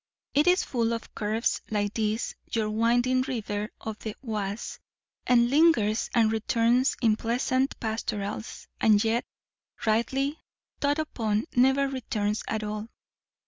It is full of curves like this, your winding river of the Oise; and lingers and returns in pleasant pastorals; and yet, rightly thought upon, never returns at all.